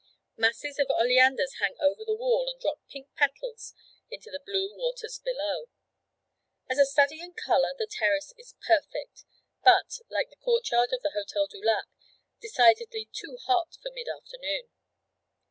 Masses of oleanders hang over the wall and drop pink petals into the blue waters below. As a study in colour the terrace is perfect, but, like the courtyard of the Hotel du Lac, decidedly too hot for mid afternoon.